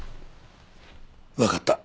わかった。